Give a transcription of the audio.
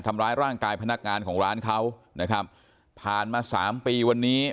ทำร้ายร่างกายพนักงานของร้านเขานะครับผ่านมาสามปีวันนี้